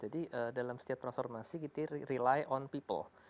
jadi dalam setiap transformasi kita rely on people